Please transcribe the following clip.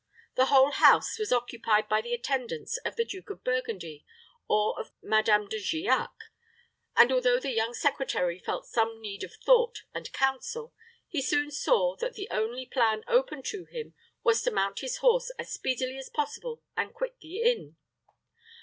The whole house was occupied by the attendants of the Duke of Burgundy or of Madame De Giac; and, although the young secretary felt some need of thought and counsel, he soon saw that the only plan open to him was to mount his horse as speedily as possible and quit the inn.